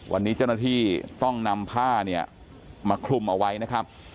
วันนี้เจ้าหน้าที่ต้องนำผ้าเนี่ยมาคลุมเอาไว้นะครับ